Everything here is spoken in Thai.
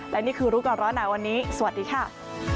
และนี่คือรู้ก่อนร้อนหนาวันนี้สวัสดีค่ะ